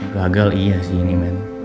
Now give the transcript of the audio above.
gagal iya sih ini men